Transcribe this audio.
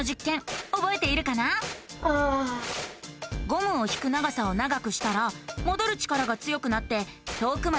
ゴムを引く長さを長くしたらもどる力が強くなって遠くまでうごいたよね。